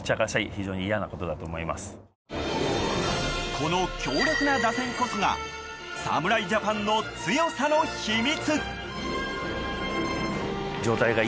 この強力な打線こそが侍ジャパンの強さの秘密。